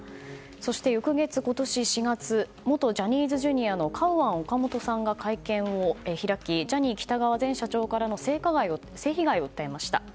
そして、翌月の今年４月元ジャニーズＪｒ．のカウアン・オカモトさんが会見を開きジャニー喜多川前社長からの性被害を訴えました。